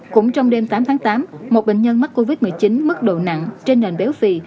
cũng trong đêm tám tháng tám một bệnh nhân mắc covid một mươi chín mức độ nặng trên nền béo phì